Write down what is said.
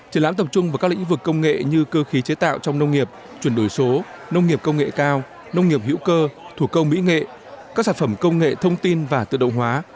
triển lãm tập trung vào các lĩnh vực công nghệ như cơ khí chế tạo trong nông nghiệp chuyển đổi số nông nghiệp công nghệ cao nông nghiệp hữu cơ thủ công mỹ nghệ các sản phẩm công nghệ thông tin và tự động hóa